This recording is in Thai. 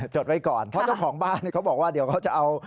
จดไว้ก่อนเพราะเจ้าของบ้านเขาบอกว่าเดี๋ยวเขาจะเอา